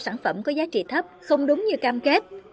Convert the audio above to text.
sản phẩm có giá trị thấp không đúng như cam kết